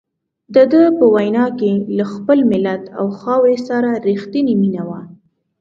دده په وینا کې له خپل ملت او خاورې سره رښتیني مینه وه.